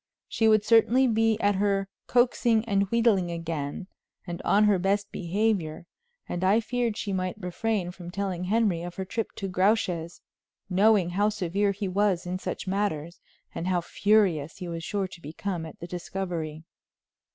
She would certainly be at her coaxing and wheedling again and on her best behavior, and I feared she might refrain from telling Henry of her trip to Grouche's, knowing how severe he was in such matters and how furious he was sure to become at the discovery.